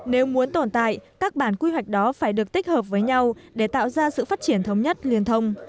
nếu muốn tồn tại các bản quy hoạch đó phải được tích hợp với nhau để tạo ra sự phát triển thống nhất liên thông